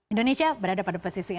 indonesia berada pada posisi ke enam